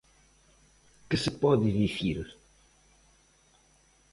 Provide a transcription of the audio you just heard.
¿Que se pode dicir?